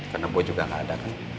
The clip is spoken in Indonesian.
karena boy juga gak ada kan